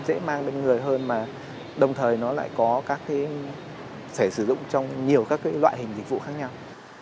dễ mang đến người hơn mà đồng thời nó lại có các cái sẽ sử dụng trong nhiều các cái loại hình dịch vụ khác nhau